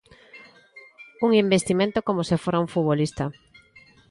Un investimento como se fora un futbolista.